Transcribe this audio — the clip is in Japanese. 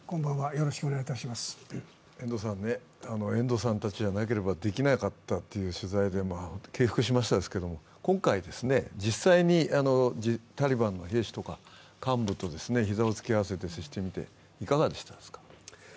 遠藤さんたちじゃなければできなかったという取材で敬服しましたですけど、今回、実際にタリバンの兵士とか幹部と膝を突き合わせて接してみて、いかがでしたか？